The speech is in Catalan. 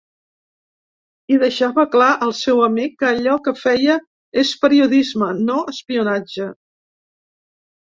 I deixava clar al seu amic que allò que feia és periodisme, no espionatge.